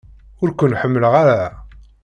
Ur ken-ḥemmleɣ ara.